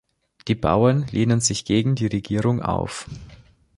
Die Bauern lehnen sich gegen die Regierung auf.